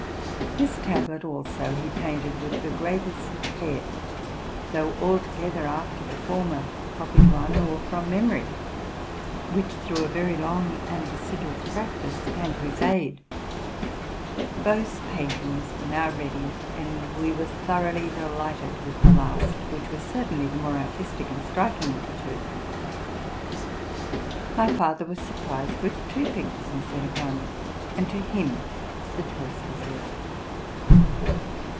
This tablet also he painted with the greatest care, though altogether after the former copied one, or from mem ory, which, through a very long and assiduous practice, came to his aid. Both paintings were now ready; and we were thoroughly delighted with the last, which was certainly the more artistic and striking of the two. My father was sur 128 TRUTH AND FICTION prised with two pictures instead of one, and to him the choice was left.